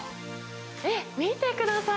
えっ、見てください。